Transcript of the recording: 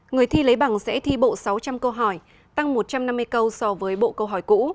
người thi lấy bằng sẽ thi bộ sáu trăm linh câu hỏi tăng một trăm năm mươi câu so với bộ câu hỏi cũ